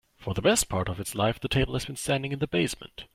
For the best part of its life, the table has been standing in the basement.